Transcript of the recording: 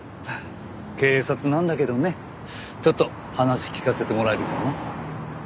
警察なんだけどねちょっと話聞かせてもらえるかな？